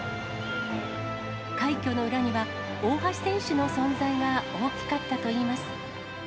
快挙の裏には、大橋選手の存在が大きかったといいます。